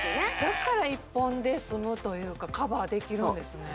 だから１本で済むというかカバーできるんですね